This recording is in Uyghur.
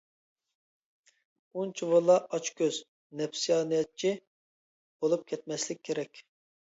ئۇنچىۋالا ئاچ كۆز، نەپسانىيەتچى بولۇپ كەتمەسلىك كېرەك.